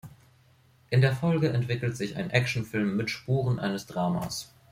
In der Folge entwickelt sich ein Actionfilm mit Spuren eines Dramas.